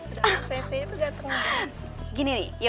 sedangkan sensei itu gateng gateng